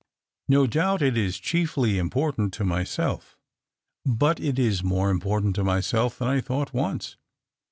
No doubt it is chiefly important to myself ; 1 )ut it is more important to myself than I thought once.